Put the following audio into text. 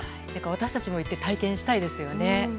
私たちも行って体験したいですね。